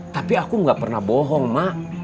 tapi aku gak pernah bohong mak